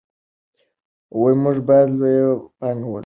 موږ باید لویه پانګه ولرو.